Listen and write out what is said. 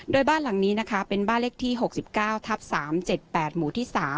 โดยบ้านหลังนี้นะคะเป็นบ้านเลขที่๖๙ทับ๓๗๘หมู่ที่๓